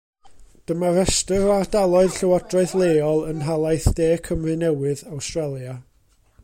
Dyma restr o ardaloedd llywodraeth leol yn Nhalaith De Cymru Newydd Awstralia.